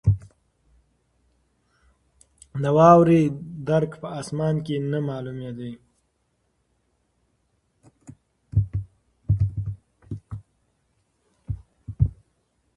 د واورې درک په اسمان کې نه معلومېده.